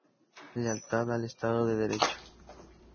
Lealtad al Estado de Derecho.